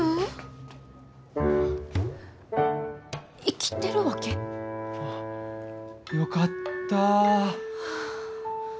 生きてるわけ？あっよかった。